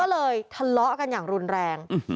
ก็เลยทะเลาะกันอย่างรุนแรง